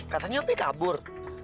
katanya opi kabur